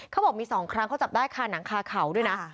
เขาบอกมี๒ครั้งเขาจับได้คาหนังคาเขาด้วยนะ